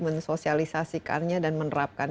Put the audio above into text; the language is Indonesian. mensosialisasikannya dan menerapkan